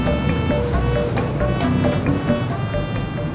masih ya pak